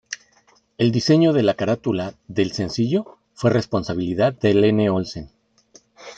El diseño de la carátula del sencillo fue responsabilidad de Lene Olsen.